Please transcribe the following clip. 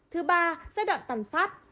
thứ ba giai đoạn tàn phát